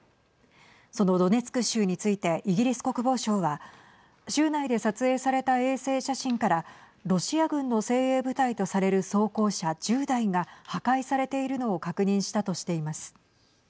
そのドネツク州についてイギリス国防省は州内で撮影された衛星写真からロシア軍の精鋭部隊とされる装甲車１０台が破壊されているのを確認したとしています。